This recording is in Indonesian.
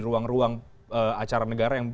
ruang ruang acara negara yang